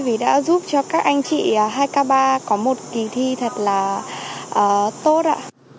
vì đã giúp cho các anh chị hai k ba có một kỳ thi thật là tốt ạ